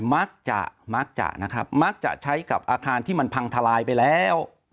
มักจะมักจะนะครับมักจะใช้กับอาคารที่มันพังทลายไปแล้ว